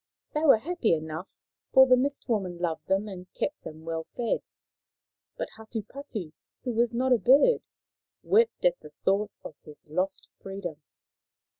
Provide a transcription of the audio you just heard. They were happy enough, for the Mist woman loved them and kept them well fed. But Hatupatu, who was not a bird, wept at the thought of his lost freedom.